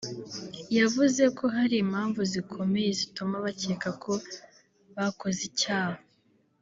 yavuze ko hari impamvu zikomeye zituma bakeka ko bakoze icyaha